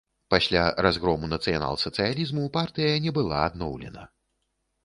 Пасля разгрому нацыянал-сацыялізму партыя не была адноўлена.